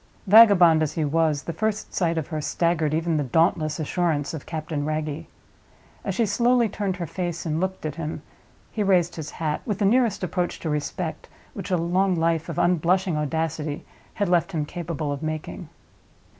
Vagabond as he was, the first sight of her staggered even the dauntless assurance of Captain Wragge. As she slowly turned her face and looked at him, he raised his hat, with the nearest approach to respect which a long life of unblushing audacity had left him capable of making.